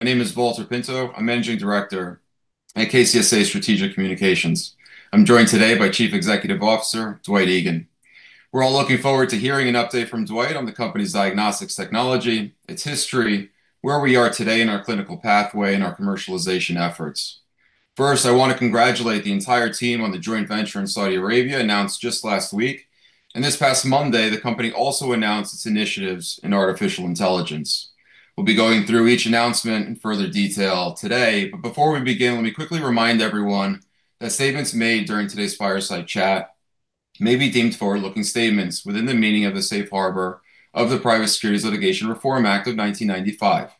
My name is Valter Pinto. I'm Managing Director at KCSA Strategic Communications. I'm joined today by Chief Executive Officer Dwight Egan. We're all looking forward to hearing an update from Dwight on the company's diagnostics technology, its history, where we are today in our clinical pathway, and our commercialization efforts. First, I want to congratulate the entire team on the joint venture in Saudi Arabia announced just last week. This past Monday, the company also announced its initiatives in artificial intelligence. We'll be going through each announcement in further detail today. But before we begin, let me quickly remind everyone that statements made during today's fireside chat may be deemed forward-looking statements within the meaning of the Safe Harbor of the Private Securities Litigation Reform Act of 1995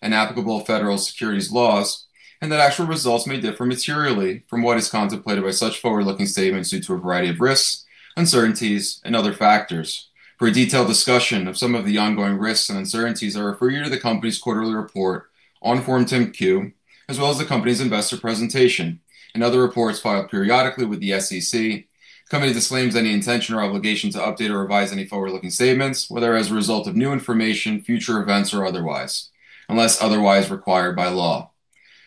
and applicable federal securities laws, and that actual results may differ materially from what is contemplated by such forward-looking statements due to a variety of risks, uncertainties, and other factors. For a detailed discussion of some of the ongoing risks and uncertainties, I refer you to the company's quarterly report on Form 10-Q, as well as the company's investor presentation and other reports filed periodically with the SEC, a company that claims any intention or obligation to update or revise any forward-looking statements, whether as a result of new information, future events, or otherwise, unless otherwise required by law.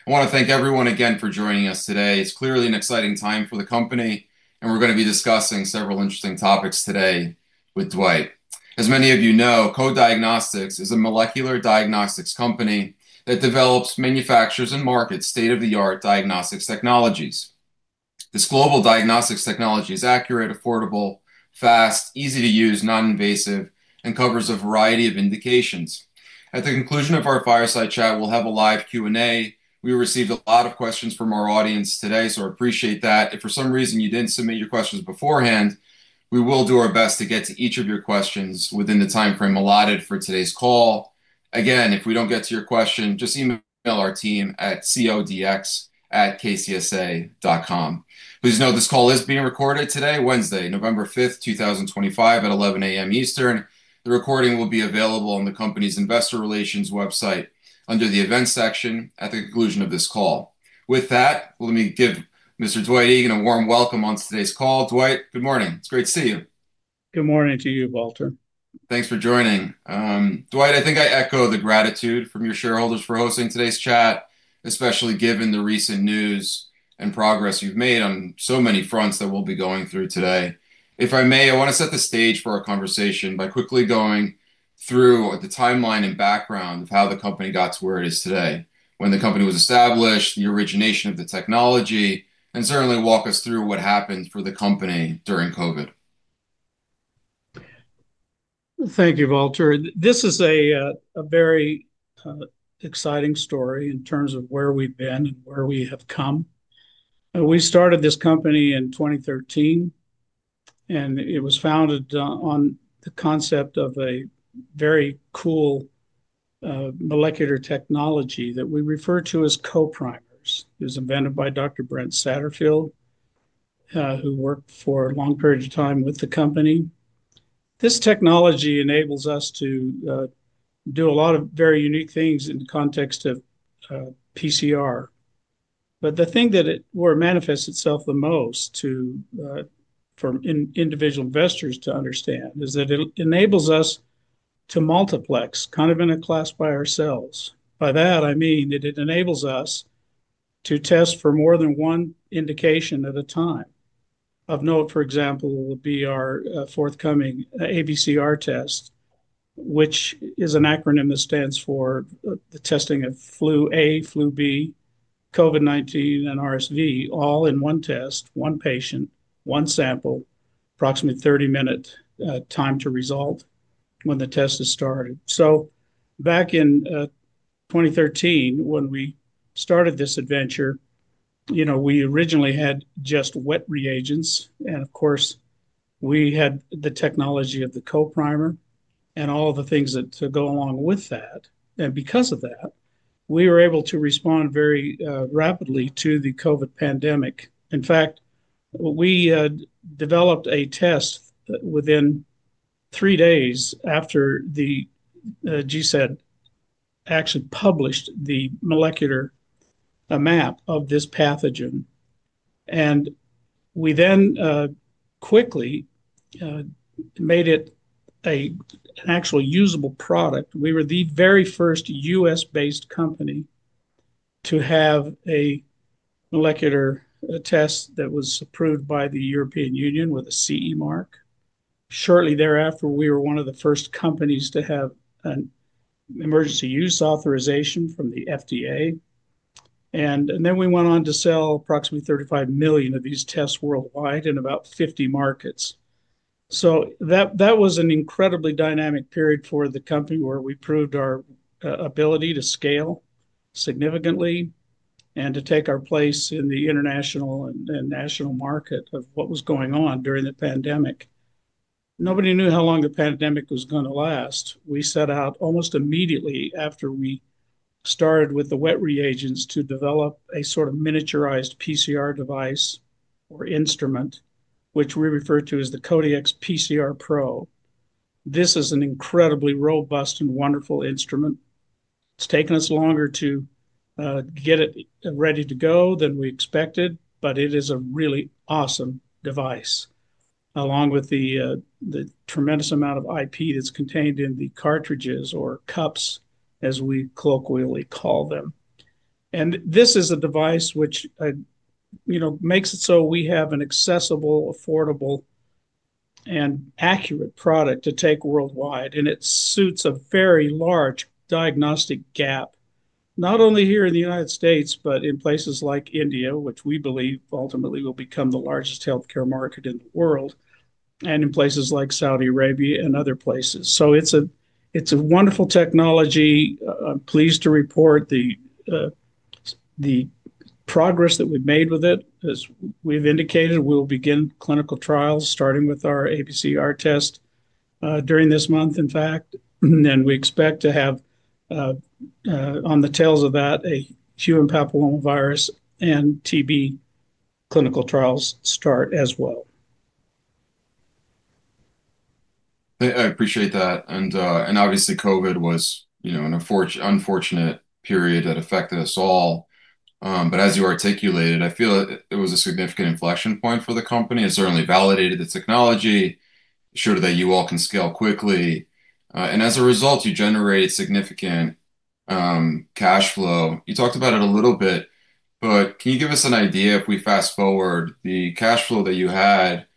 I want to thank everyone again for joining us today. It's clearly an exciting time for the company, and we're going to be discussing several interesting topics today with Dwight. As many of you know, Co-Diagnostics is a molecular diagnostics company that develops, manufactures, and markets state-of-the-art diagnostics technologies. This global diagnostics technology is accurate, affordable, fast, easy to use, non-invasive, and covers a variety of indications. At the conclusion of our fireside chat, we'll have a live Q&A. We received a lot of questions from our audience today, so I appreciate that. If for some reason you didn't submit your questions beforehand, we will do our best to get to each of your questions within the time frame allotted for today's call. Again, if we don't get to your question, just email our team at codx@kcsa.com. Please note this call is being recorded today, Wednesday, November 5th, 2025, at 11:00 AM Eastern. The recording will be available on the company's investor relations website under the events section at the conclusion of this call. With that, let me give Mr. Dwight Egan a warm welcome on today's call. Dwight, good morning. It's great to see you. Good morning to you, Valter. Thanks for joining. Dwight, I think I echo the gratitude from your shareholders for hosting today's chat, especially given the recent news and progress you've made on so many fronts that we'll be going through today. If I may, I want to set the stage for our conversation by quickly going through the timeline and background of how the company got to where it is today, when the company was established, the origination of the technology, and certainly walk us through what happened for the company during COVID. Thank you, Valter. This is a very exciting story in terms of where we've been and where we have come. We started this company in 2013. And it was founded on the concept of a very cool. Molecular technology that we refer to as Co-Primers. It was invented by Dr. Brent Satterfield. Who worked for a long period of time with the company. This technology enables us to do a lot of very unique things in the context of. PCR. But the thing that manifests itself the most. For. Individual investors to understand is that it enables us to multiplex kind of in a class by ourselves. By that, I mean that it enables us to test for more than one indication at a time. Of note, for example, would be our forthcoming ABCR test, which is an acronym that stands for the testing of flu A, flu B, COVID-19, and RSV, all in one test, one patient, one sample, approximately 30-minute time to result when the test is started. So back in 2013, when we started this adventure, we originally had just wet reagents. And of course, we had the technology of the Co-Primer and all the things that go along with that. Because of that, we were able to respond very rapidly to the COVID pandemic. In fact, we developed a test within three days after the GISAID actually published the molecular map of this pathogen. We then quickly made it an actual usable product. We were the very first U.S.-based company to have a molecular test that was approved by the European Union with a CE mark. Shortly thereafter, we were one of the first companies to have an emergency use authorization from the FDA, and then we went on to sell approximately 35 million of these tests worldwide in about 50 markets, so that was an incredibly dynamic period for the company where we proved our ability to scale significantly and to take our place in the international and national market of what was going on during the pandemic. Nobody knew how long the pandemic was going to last. We set out almost immediately after we started with the wet reagents to develop a sort of miniaturized PCR device or instrument, which we refer to as the Co-Dx PCR Pro. This is an incredibly robust and wonderful instrument. It's taken us longer to get it ready to go than we expected, but it is a really awesome device, along with the. Tremendous amount of IP that's contained in the cartridges or cups, as we colloquially call them. And this is a device which. Makes it so we have an accessible, affordable. And accurate product to take worldwide. And it suits a very large diagnostic gap, not only here in the United States, but in places like India, which we believe ultimately will become the largest healthcare market in the world. And in places like Saudi Arabia and other places. So it's a wonderful technology. I'm pleased to report the. Progress that we've made with it. As we've indicated, we'll begin clinical trials starting with our ABCR test. During this month, in fact. And we expect to have. On the tails of that, a human papillomavirus and TB clinical trials start as well. I appreciate that. And obviously, COVID was an unfortunate period that affected us all. But as you articulated, I feel it was a significant inflection point for the company. It certainly validated the technology, showed that you all can scale quickly. And as a result, you generated significant. Cash flow. You talked about it a little bit, but can you give us an idea if we fast forward? The cash flow that you had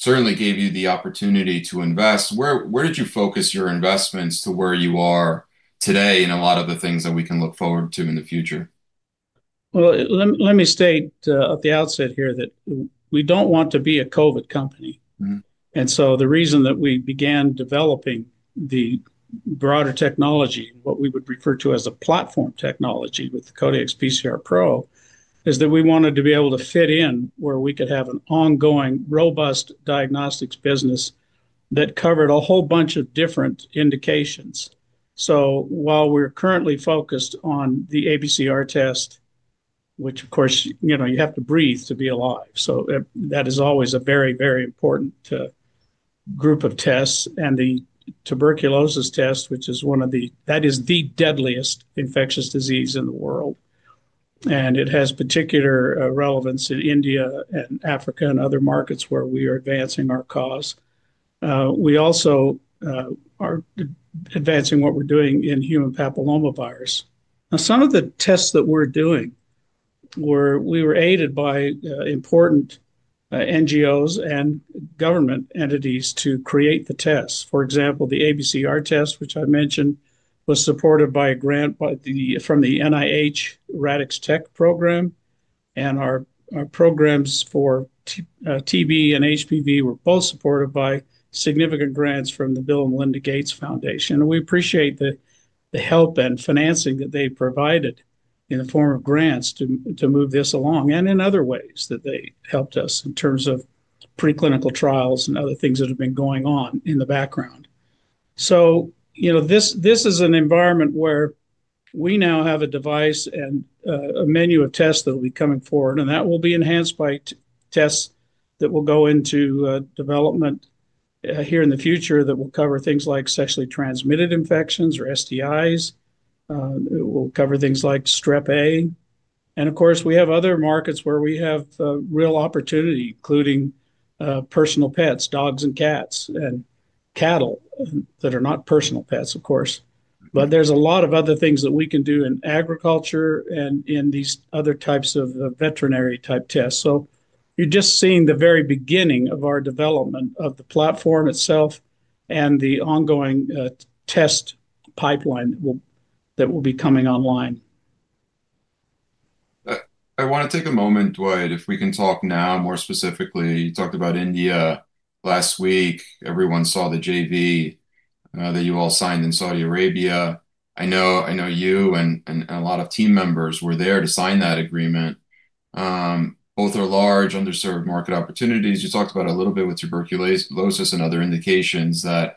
certainly gave you the opportunity to invest. Where did you focus your investments to where you are today and a lot of the things that we can look forward to in the future? Let me state at the outset here that we don't want to be a COVID company. And so the reason that we began developing the broader technology, what we would refer to as a platform technology with the Co-Dx PCR Pro, is that we wanted to be able to fit in where we could have an ongoing, robust diagnostics business that covered a whole bunch of different indications. So while we're currently focused on the ABCR test, which, of course, you have to breathe to be alive. So that is always a very, very important group of tests. And the tuberculosis test, which is one of the—that is the deadliest infectious disease in the world. And it has particular relevance in India and Africa and other markets where we are advancing our cause. We also are advancing what we're doing in human papillomavirus. Now, some of the tests that we're doing. We were aided by important NGOs and government entities to create the tests. For example, the ABCR test, which I mentioned, was supported by a grant from the NIH RADx Tech program. Our programs for TB and HPV were both supported by significant grants from the Bill & Melinda Gates Foundation. We appreciate the help and financing that they provided in the form of grants to move this along and in other ways that they helped us in terms of preclinical trials and other things that have been going on in the background. This is an environment where we now have a device and a menu of tests that will be coming forward. That will be enhanced by tests that will go into development here in the future that will cover things like sexually transmitted infections or STIs. It will cover things like Strep A. Of course, we have other markets where we have real opportunity, including personal pets, dogs and cats, and cattle that are not personal pets, of course. But there's a lot of other things that we can do in agriculture and in these other types of veterinary-type tests. So you're just seeing the very beginning of our development of the platform itself and the ongoing test pipeline that will be coming online. I want to take a moment, Dwight, if we can talk now more specifically. You talked about India last week. Everyone saw the JV that you all signed in Saudi Arabia. I know you and a lot of team members were there to sign that agreement. Both are large, underserved market opportunities. You talked about a little bit with tuberculosis and other indications that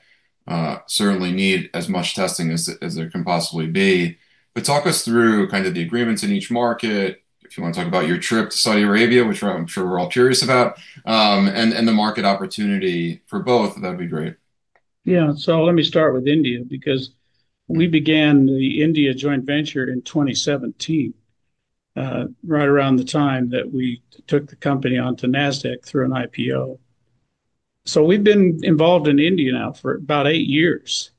certainly need as much testing as there can possibly be. But talk us through kind of the agreements in each market. If you want to talk about your trip to Saudi Arabia, which I'm sure we're all curious about. And the market opportunity for both, that'd be great. Yeah. So let me start with India because we began the India joint venture in 2017. Right around the time that we took the company onto NASDAQ through an IPO. So we've been involved in India now for about eight years.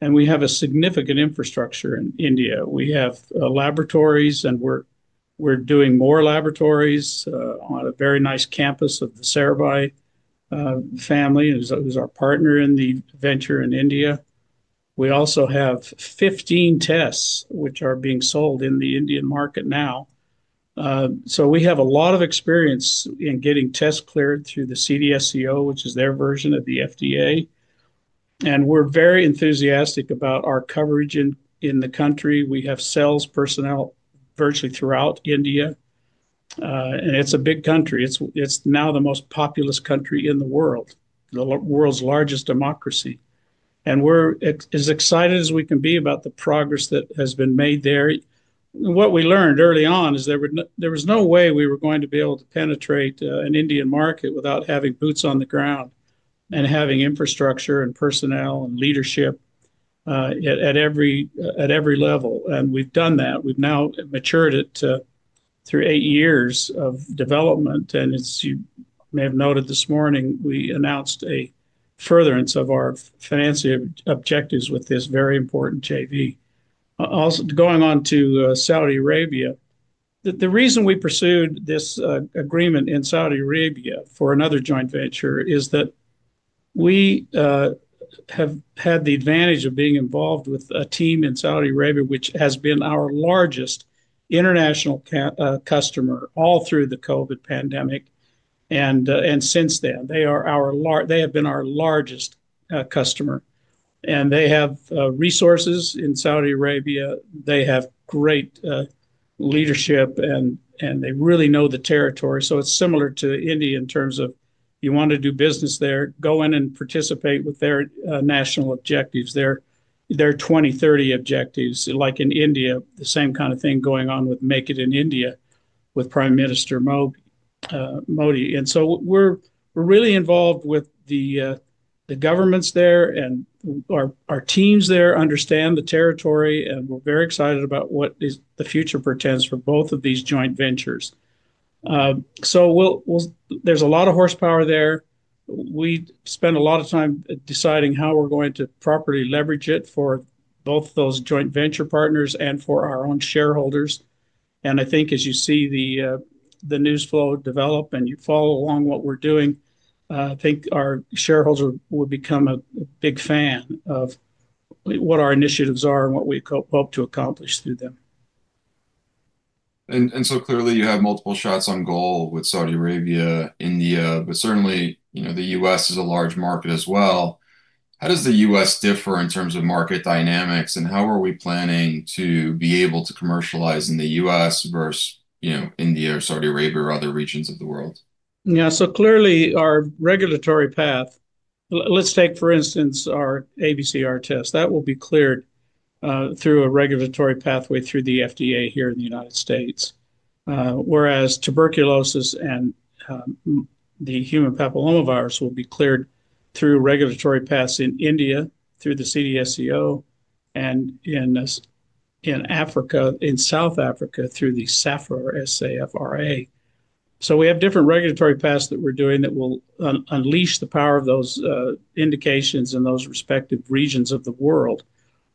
And we have a significant infrastructure in India. We have laboratories, and we're doing more laboratories on a very nice campus of the Sarabhai. Family, who's our partner in the venture in India. We also have 15 tests, which are being sold in the Indian market now. So we have a lot of experience in getting tests cleared through the CDSCO, which is their version of the FDA. And we're very enthusiastic about our coverage in the country. We have sales personnel virtually throughout India. And it's a big country. It's now the most populous country in the world, the world's largest democracy. We're as excited as we can be about the progress that has been made there. What we learned early on is there was no way we were going to be able to penetrate an Indian market without having boots on the ground and having infrastructure and personnel and leadership at every level. We've done that. We've now matured it through eight years of development. As you may have noted this morning, we announced a furtherance of our financial objectives with this very important JV. Going on to Saudi Arabia, the reason we pursued this agreement in Saudi Arabia for another joint venture is that we have had the advantage of being involved with a team in Saudi Arabia, which has been our largest international customer all through the COVID pandemic. Since then, they have been our largest customer. They have resources in Saudi Arabia. They have great leadership, and they really know the territory. It's similar to India in terms of you want to do business there, go in and participate with their national objectives, their 2030 objectives. Like in India, the same kind of thing going on with Make It in India with Prime Minister Modi. We're really involved with the governments there and our teams there understand the territory. We're very excited about what the future portends for both of these joint ventures. There's a lot of horsepower there. We spend a lot of time deciding how we're going to properly leverage it for both those joint venture partners and for our own shareholders. I think as you see the news flow develop and you follow along what we're doing, I think our shareholders will become a big fan of. What our initiatives are and what we hope to accomplish through them. And so clearly, you have multiple shots on goal with Saudi Arabia, India, but certainly the U.S. is a large market as well. How does the U.S. differ in terms of market dynamics? And how are we planning to be able to commercialize in the U.S. versus India or Saudi Arabia or other regions of the world? Yeah. So clearly, our regulatory path, let's take for instance our ABCR test. That will be cleared through a regulatory pathway through the FDA here in the United States. Whereas tuberculosis and. The human papillomavirus will be cleared through regulatory paths in India through the CDSCO and in. Africa, in South Africa through the SAFRA, S-A-F-R-A. So we have different regulatory paths that we're doing that will unleash the power of those indications in those respective regions of the world.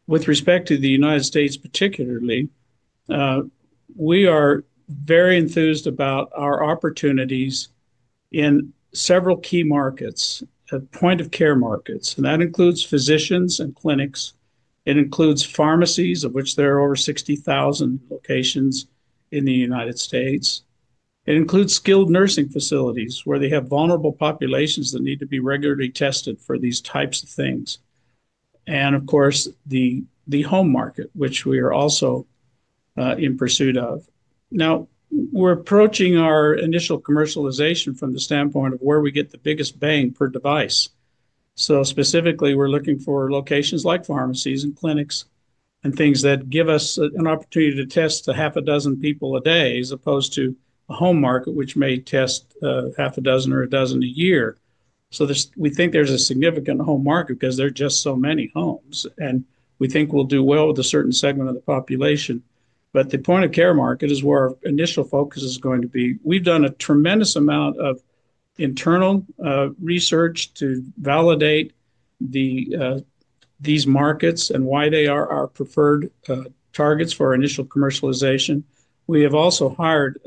With respect to the United States, particularly. We are very enthused about our opportunities. In several key markets, point-of-care markets. And that includes physicians and clinics. It includes pharmacies, of which there are over 60,000 locations in the United States. It includes skilled nursing facilities where they have vulnerable populations that need to be regularly tested for these types of things. And of course, the home market, which we are also. In pursuit of. Now, we're approaching our initial commercialization from the standpoint of where we get the biggest bang per device. So specifically, we're looking for locations like pharmacies and clinics and things that give us an opportunity to test a half a dozen people a day as opposed to a home market, which may test half a dozen or a dozen a year. So we think there's a significant home market because there are just so many homes. And we think we'll do well with a certain segment of the population. But the point-of-care market is where our initial focus is going to be. We've done a tremendous amount of. Internal research to validate. These markets and why they are our preferred targets for initial commercialization. We have also hired.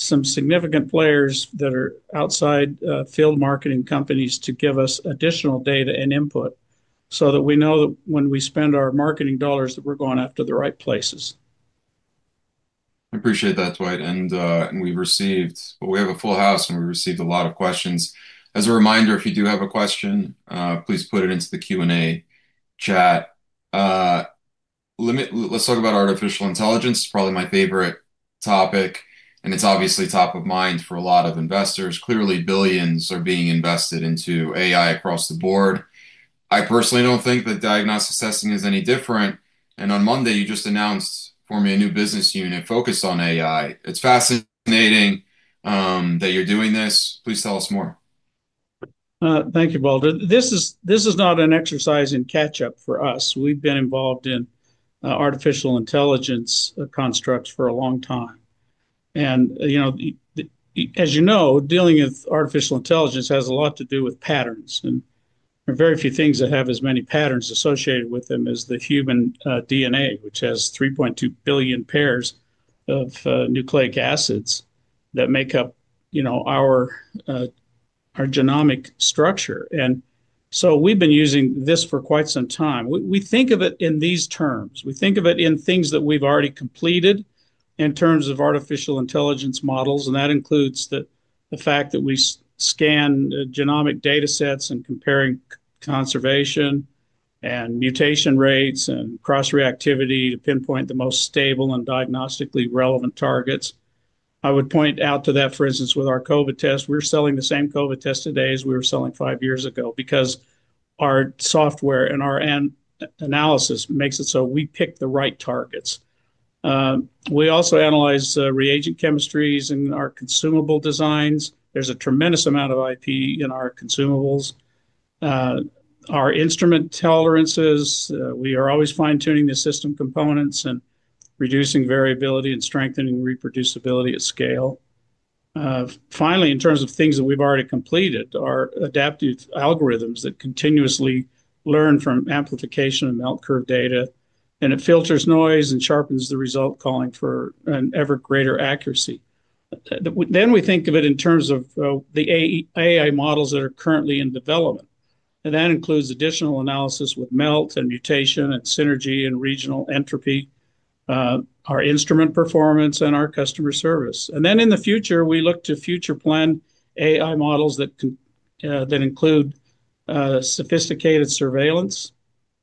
Some significant players that are outside field marketing companies to give us additional data and input so that we know that when we spend our marketing dollars, that we're going after the right places. I appreciate that, Dwight. And we've received, well, we have a full house and we received a lot of questions. As a reminder, if you do have a question, please put it into the Q&A chat. Let's talk about artificial intelligence. It's probably my favorite topic. And it's obviously top of mind for a lot of investors. Clearly, billions are being invested into AI across the board. I personally don't think that diagnostic testing is any different. And on Monday, you just announced for me a new business unit focused on AI. It's fascinating. That you're doing this. Please tell us more. Thank you, Valter. This is not an exercise in catch-up for us. We've been involved in. Artificial intelligence constructs for a long time. And. As you know, dealing with artificial intelligence has a lot to do with patterns. And there are very few things that have as many patterns associated with them as the human DNA, which has 3.2 billion pairs of nucleic acids that make up. Our. Genomic structure. And so we've been using this for quite some time. We think of it in these terms. We think of it in things that we've already completed in terms of artificial intelligence models. And that includes the fact that we scan genomic data sets and comparing conservation and mutation rates and cross-reactivity to pinpoint the most stable and diagnostically relevant targets. I would point out to that, for instance, with our COVID test, we're selling the same COVID test today as we were selling five years ago because our software and our analysis makes it so we pick the right targets. We also analyze reagent chemistries in our consumable designs. There's a tremendous amount of IP in our consumables. Our instrument tolerances, we are always fine-tuning the system components and reducing variability and strengthening reproducibility at scale. Finally, in terms of things that we've already completed, our adaptive algorithms that continuously learn from amplification and melt curve data, and it filters noise and sharpens the result, calling for an ever greater accuracy. Then we think of it in terms of the AI models that are currently in development. And that includes additional analysis with melt and mutation and synergy and regional entropy. Our instrument performance and our customer service. And then in the future, we look to future-planned AI models that include sophisticated surveillance.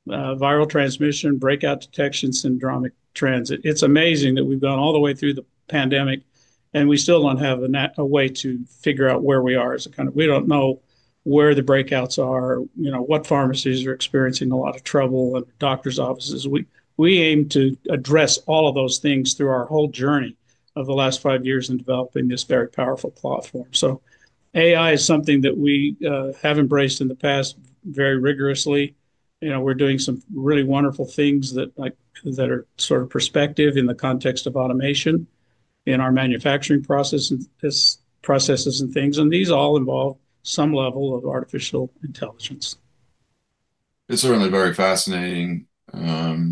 Viral transmission, breakout detection, syndromic transit. It's amazing that we've gone all the way through the pandemic, and we still don't have a way to figure out where we are as a kind of, we don't know where the breakouts are, what pharmacies are experiencing a lot of trouble, and doctor's offices. We aim to address all of those things through our whole journey of the last five years in developing this very powerful platform. So AI is something that we have embraced in the past very rigorously. We're doing some really wonderful things that. Are sort of perspective in the context of automation in our manufacturing processes and things. And these all involve some level of artificial intelligence. It's certainly very fascinating. To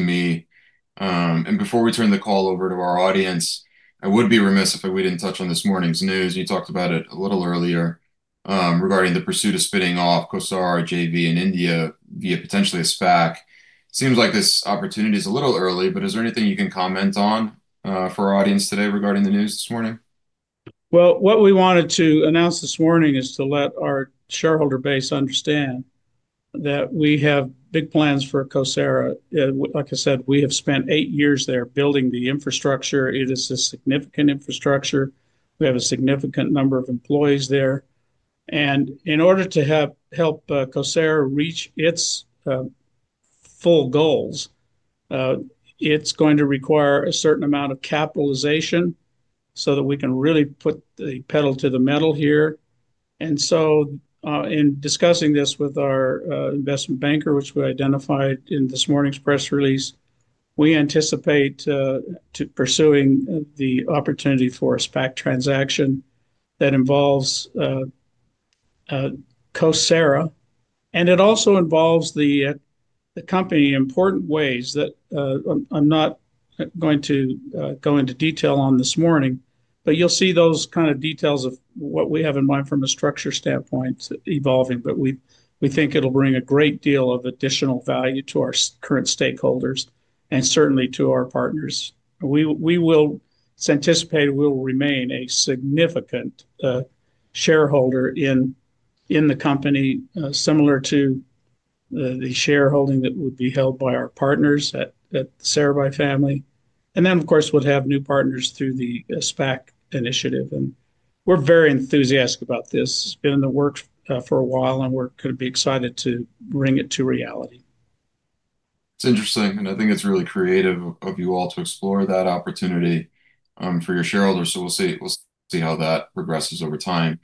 me. And before we turn the call over to our audience, I would be remiss if we didn't touch on this morning's news. You talked about it a little earlier regarding the pursuit of spinning off CoSara JV in India via potentially a SPAC. It seems like this opportunity is a little early, but is there anything you can comment on for our audience today regarding the news this morning? Well, what we wanted to announce this morning is to let our shareholder base understand. That we have big plans for CoSara. Like I said, we have spent eight years there building the infrastructure. It is a significant infrastructure. We have a significant number of employees there. And in order to help CoSara reach its. Full goals, it's going to require a certain amount of capitalization so that we can really put the pedal to the metal here. And so. In discussing this with our investment banker, which we identified in this morning's press release, we anticipate pursuing the opportunity for a SPAC transaction that involves. CoSara. And it also involves the company in important ways that I'm not going to go into detail on this morning, but you'll see those kind of details of what we have in mind from a structure standpoint evolving. But we think it'll bring a great deal of additional value to our current stakeholders and certainly to our partners. We will anticipate we'll remain a significant. Shareholder in the company, similar to. The shareholding that would be held by our partners at the Sarabhai family. And then, of course, we'll have new partners through the SPAC initiative. And we're very enthusiastic about this. It's been in the works for a while, and we're going to be excited to bring it to reality. It's interesting. And I think it's really creative of you all to explore that opportunity for your shareholders. So we'll see how that progresses over time.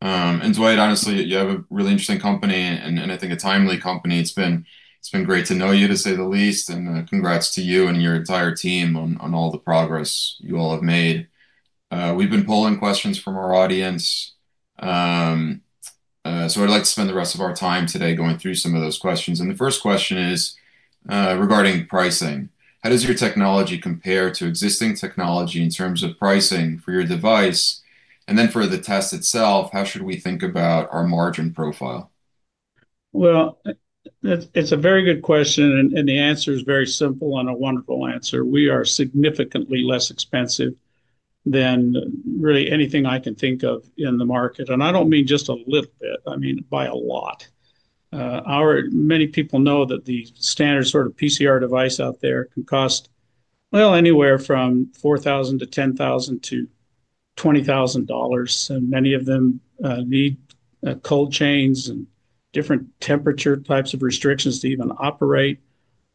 And Dwight, honestly, you have a really interesting company and I think a timely company. It's been great to know you, to say the least. And congrats to you and your entire team on all the progress you all have made. We've been pulling questions from our audience. So I'd like to spend the rest of our time today going through some of those questions. And the first question is: Regarding pricing. How does your technology compare to existing technology in terms of pricing for your device? And then for the test itself, how should we think about our margin profile? Well. It's a very good question. And the answer is very simple and a wonderful answer. We are significantly less expensive than really anything I can think of in the market. And I don't mean just a little bit. I mean by a lot. Many people know that the standard sort of PCR device out there can cost. Well, anywhere from $4,000 to $10,000 to $20,000. And many of them need cold chains and different temperature types of restrictions to even operate.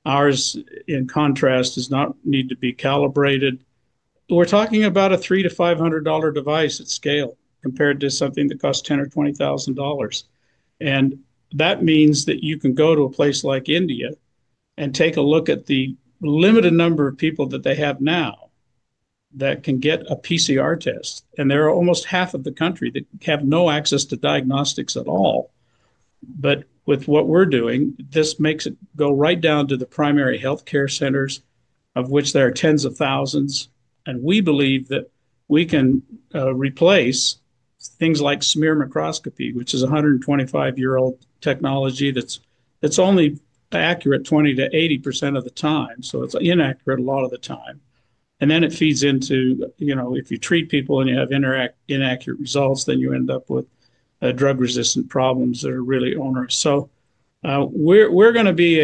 Ours, in contrast, does not need to be calibrated. We're talking about a $300-$500 device at scale compared to something that costs $10,000 or $20,000. And that means that you can go to a place like India and take a look at the limited number of people that they have now. That can get a PCR test. And there are almost half of the country that have no access to diagnostics at all. But with what we're doing, this makes it go right down to the primary healthcare centers, of which there are tens of thousands. And we believe that we can replace things like smear microscopy, which is a 125-year-old technology that's only accurate 20%-80% of the time. So it's inaccurate a lot of the time. And then it feeds into, if you treat people and you have inaccurate results, then you end up with drug-resistant problems that are really onerous. So. We're going to be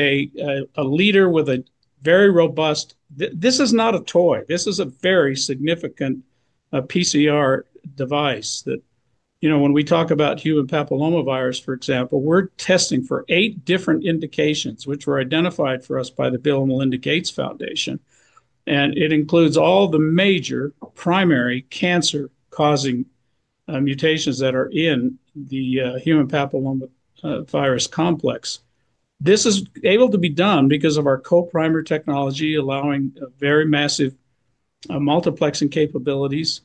a leader with a very robust, this is not a toy. This is a very significant PCR device that. When we talk about human papillomavirus, for example, we're testing for eight different indications, which were identified for us by the Bill & Melinda Gates Foundation. And it includes all the major primary cancer-causing mutations that are in the human papillomavirus complex. This is able to be done because of our co-primary technology allowing very massive multiplexing capabilities.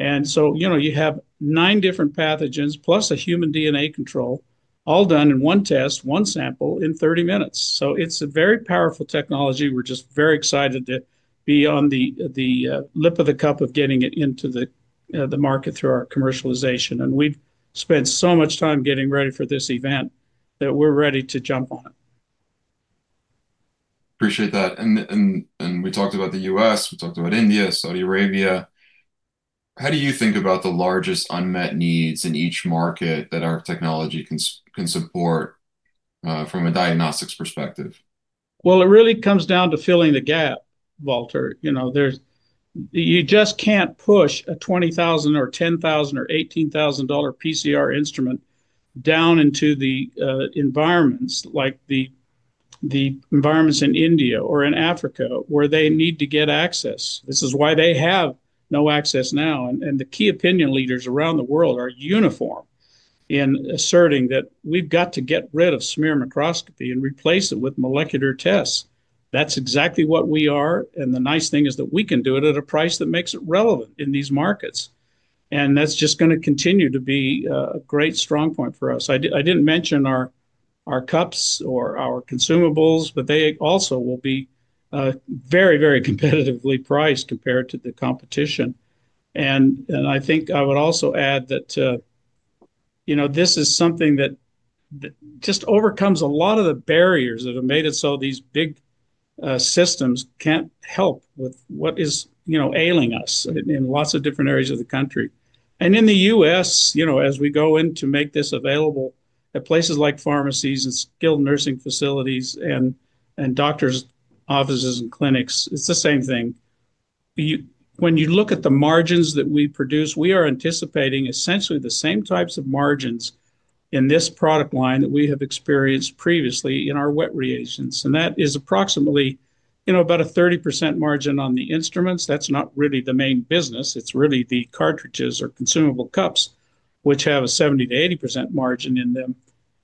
And so you have nine different pathogens plus a human DNA control all done in one test, one sample in 30 minutes. So it's a very powerful technology. We're just very excited to be on the. Lip of the cup of getting it into the market through our commercialization. And we've spent so much time getting ready for this event that we're ready to jump on it. Appreciate that. And we talked about the U.S. We talked about India, Saudi Arabia. How do you think about the largest unmet needs in each market that our technology can support. From a diagnostics perspective? Well, it really comes down to filling the gap, Valter. You just can't push a $20,000 or $10,000 or $18,000 PCR instrument down into the environments like the. Environments in India or in Africa where they need to get access. This is why they have no access now. And the key opinion leaders around the world are uniform in asserting that we've got to get rid of smear microscopy and replace it with molecular tests. That's exactly what we are. And the nice thing is that we can do it at a price that makes it relevant in these markets. And that's just going to continue to be a great strong point for us. I didn't mention our cups or our consumables, but they also will be. Very, very competitively priced compared to the competition. And I think I would also add that. This is something that. Just overcomes a lot of the barriers that have made it so these big. Systems can't help with what is ailing us in lots of different areas of the country. And in the U.S., as we go in to make this available at places like pharmacies and skilled nursing facilities and doctors' offices and clinics, it's the same thing. When you look at the margins that we produce, we are anticipating essentially the same types of margins in this product line that we have experienced previously in our wet reagents. And that is approximately about a 30% margin on the instruments. That's not really the main business. It's really the cartridges or consumable cups, which have a 70% to 80% margin in them.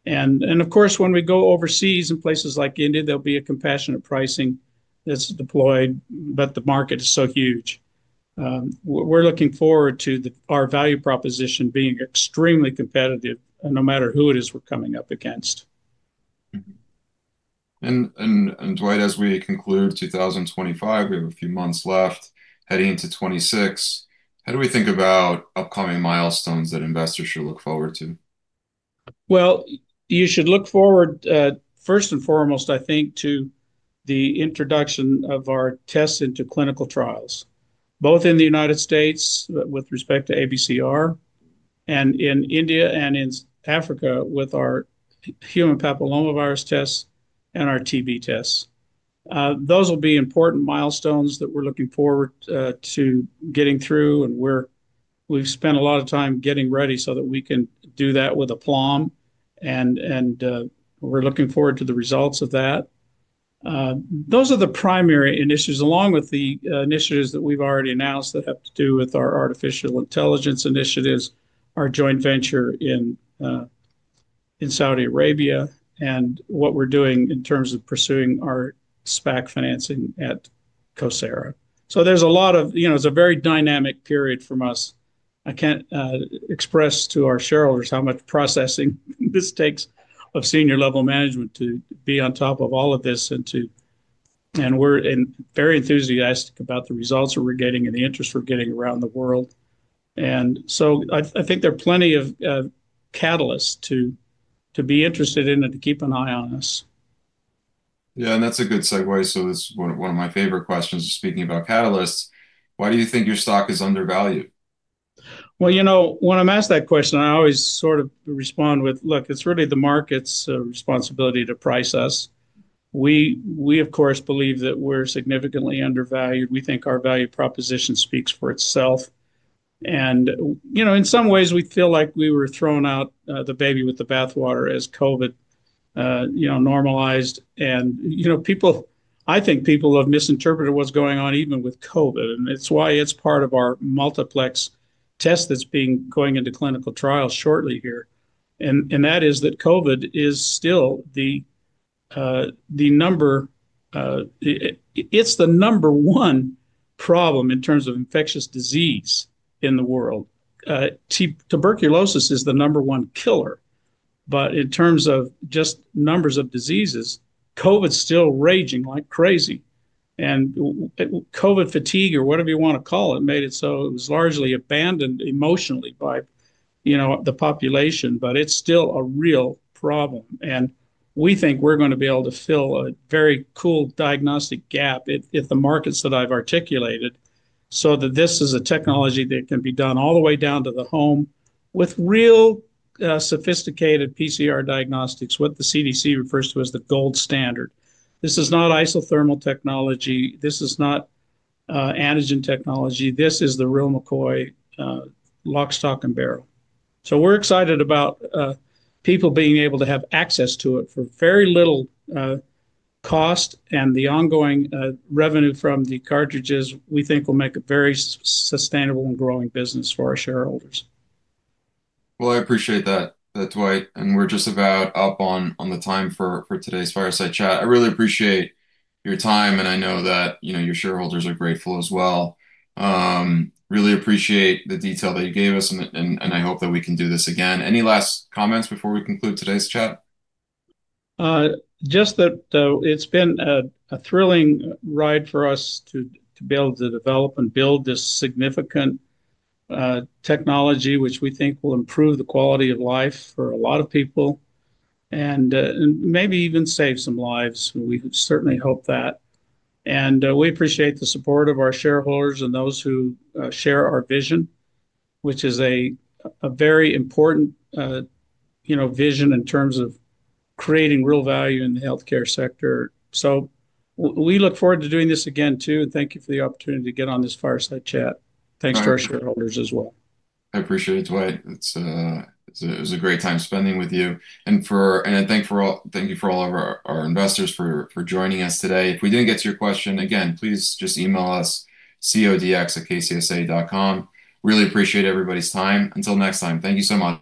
And of course, when we go overseas in places like India, there'll be a compassionate pricing that's deployed. But the market is so huge. We're looking forward to our value proposition being extremely competitive no matter who it is we're coming up against. And Dwight, as we conclude 2025, we have a few months left heading into 2026. How do we think about upcoming milestones that investors should look forward to? Well, you should look forward, first and foremost, I think, to the introduction of our tests into clinical trials, both in the United States with respect to ABCR and in India and in Africa with our human papillomavirus tests and our TB tests. Those will be important milestones that we're looking forward to getting through. And we've spent a lot of time getting ready so that we can do that with a plum. And. We're looking forward to the results of that. Those are the primary initiatives, along with the initiatives that we've already announced that have to do with our artificial intelligence initiatives, our joint venture in. Saudi Arabia, and what we're doing in terms of pursuing our SPAC financing at CoSara. So there's a lot of, it's a very dynamic period from us. I can't express to our shareholders how much processing this takes of senior-level management to be on top of all of this and to. And we're very enthusiastic about the results that we're getting and the interest we're getting around the world. And so I think there are plenty of catalysts to be interested in and to keep an eye on us. Yeah, and that's a good segue. So this is one of my favorite questions speaking about catalysts. Why do you think your stock is undervalued? Well, you know, when I'm asked that question, I always sort of respond with, "Look, it's really the market's responsibility to price us." We, of course, believe that we're significantly undervalued. We think our value proposition speaks for itself. And in some ways, we feel like we were thrown out the baby with the bathwater as COVID. Normalized. And. I think people have misinterpreted what's going on even with COVID. And it's why it's part of our multiplex test that's going into clinical trials shortly here. And that is that COVID is still the. Number. It's the number one problem in terms of infectious disease in the world. Tuberculosis is the number one killer. But in terms of just numbers of diseases, COVID's still raging like crazy. And. COVID fatigue or whatever you want to call it made it so it was largely abandoned emotionally by. The population. But it's still a real problem. And we think we're going to be able to fill a very cool diagnostic gap in the markets that I've articulated so that this is a technology that can be done all the way down to the home with real. Sophisticated PCR diagnostics, what the CDC refers to as the gold standard. This is not isothermal technology. This is not. Antigen technology. This is the real McCoy. Lock, stock, and barrel. So we're excited about. People being able to have access to it for very little. Cost. And the ongoing revenue from the cartridges, we think, will make a very sustainable and growing business for our shareholders. Well, I appreciate that, Dwight. And we're just about up on the time for today's fireside chat. I really appreciate your time. And I know that your shareholders are grateful as well. Really appreciate the detail that you gave us. And I hope that we can do this again. Any last comments before we conclude today's chat? Just that it's been a thrilling ride for us to be able to develop and build this significant technology, which we think will improve the quality of life for a lot of people. And maybe even save some lives. We certainly hope that. And we appreciate the support of our shareholders and those who share our vision, which is a very important vision in terms of creating real value in the healthcare sector. So we look forward to doing this again, too. And thank you for the opportunity to get on this fireside chat. Thanks to our shareholders as well. I appreciate it, Dwight. It was a great time spending with you. And. Thank you for all of our investors for joining us today. If we didn't get to your question, again, please just email us, codx@kcsa.com. Really appreciate everybody's time. Until next time, thank you so much.